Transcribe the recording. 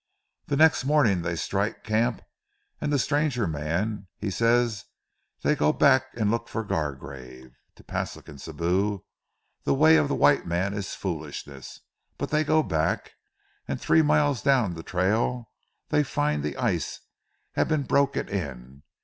Ze next morning, they strike camp, an' ze stranger mans he say dey go back and look for Gargrave. To Paslik an' Sibou, ze way of the white man is foolishness, but dey go back, an' tree miles down ze trail dey find the ice hav' been broken in.